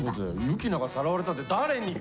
ユキナがさらわれたって誰に！？